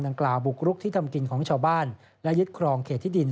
กล่าวบุกรุกที่ทำกินของชาวบ้านและยึดครองเขตที่ดิน